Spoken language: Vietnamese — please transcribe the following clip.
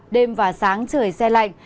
đêm và sáng trời xe lạnh